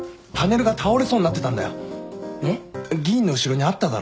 議員の後ろにあっただろ？